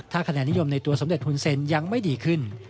ถ้าคะแนนิยมในตัวสมเด็จภูมิเซ็นต์ยังไม่ดีขึ้น